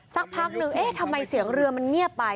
สักพักหนึ่งเอ๊ะทำไมเสียงเรือมันเงียบไป